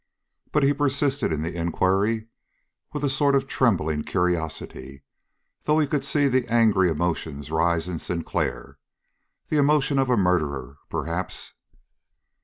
But he persisted in the inquiry with a sort of trembling curiosity, though he could see the angry emotions rise in Sinclair. The emotion of a murderer, perhaps?